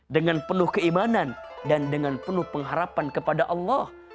dengan penuh keimanan dan dengan penuh pengharapan kepada allah